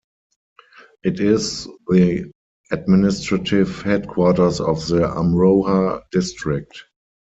It is the administrative headquarters of the Amroha district.